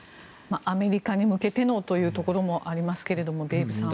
アメリカに向けてのというところもありますけれどもデーブさん。